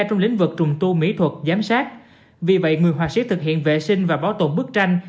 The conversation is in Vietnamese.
trong lĩnh vực trùng tu mỹ thuật giám sát vì vậy người họa sĩ thực hiện vệ sinh và bảo tồn bức tranh